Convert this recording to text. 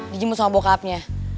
dijemut sama bokapnya